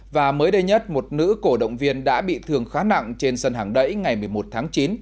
và mới đây nhất một nữ cổ động viên đã bị thương khá nặng trên sân hàng đẩy ngày một mươi một tháng chín